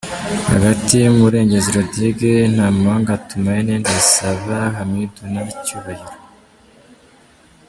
Hagati:Murengezi rodirige, Ntamuhanga Tumene, Ndayisaba Hamidu na Cyubahiro.